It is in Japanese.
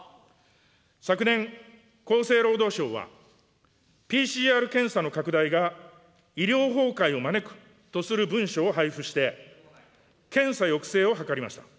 昨年、厚生労働省は、ＰＣＲ検査の拡大が医療崩壊を招くとする文書を配布して、検査抑制を図りました。